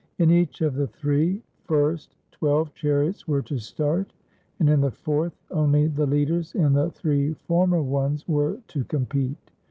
In each of the three first twelve chariots were to start, and in the fourth only the leaders in the three former ones were to com pete.